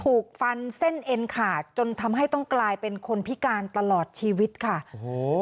ถูกฟันเส้นเอ็นขาดจนทำให้ต้องกลายเป็นคนพิการตลอดชีวิตค่ะโอ้โห